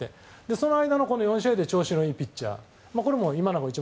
その間の４試合で調子のいいピッチャー。